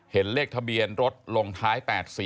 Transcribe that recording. เห็นเลขทะเบียนรถลงท้าย๘๔